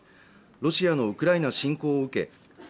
ロシアのウクライナ侵攻を受け